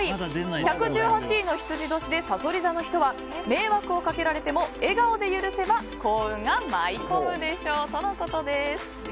１１８位の未年でさそり座の人は迷惑をかけられても笑顔で許せば幸運が舞い込むでしょうとのことです。